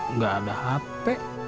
enggak ada hp